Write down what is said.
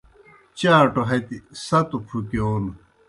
چاٹوْ ہتیْ ستو پُھکِیون